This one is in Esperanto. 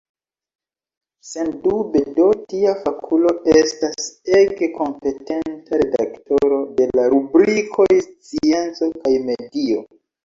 Sendube do tia fakulo estas ege kompetenta redaktoro de la rubrikoj scienco kaj medio.